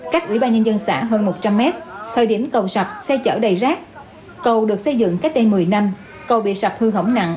cách ủy ba nhân dân xã hơn một trăm linh mét thời điểm cầu sạch xe chở đầy rác cầu được xây dựng cách đây một mươi năm cầu bị sập hư hỏng nặng